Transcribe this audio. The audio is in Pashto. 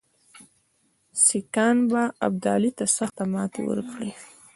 سیکهان به ابدالي ته سخته ماته ورکړي.